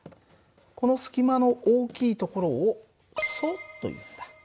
この隙間の大きい所を疎というんだ。